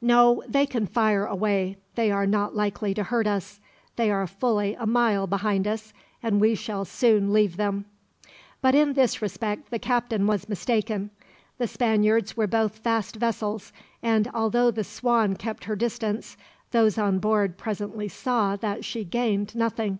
"No, they can fire away. They are not likely to hurt us. They are fully a mile behind us, and we shall soon leave them." But in this respect the captain was mistaken. The Spaniards were both fast vessels; and although the Swan kept her distance, those on board presently saw that she gained nothing.